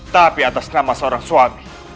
tapi atas nama seorang suami